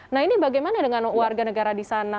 nah ini bagaimana dengan warga negara di sana